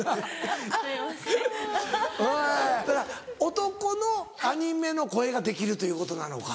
男のアニメの声ができるということなのか？